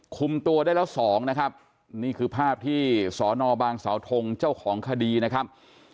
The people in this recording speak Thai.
คุมตัวได้แล้วสองนะครับนี่คือภาพที่สอนอบางสาวทงเจ้าของคดีนะครับ